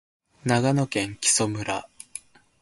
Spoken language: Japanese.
長野県木祖村